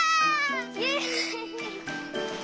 イエイ！